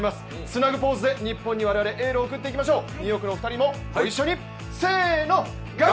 ツナグポーズで日本にエールを送っていきましょう。